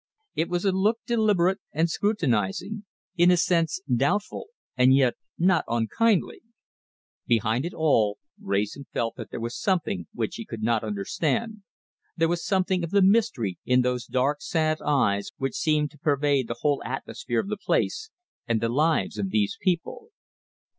It was a look deliberate and scrutinizing, in a sense doubtful, and yet not unkindly. Behind it all, Wrayson felt that there was something which he could not understand, there was something of the mystery in those dark sad eyes which seemed to pervade the whole atmosphere of the place and the lives of these people.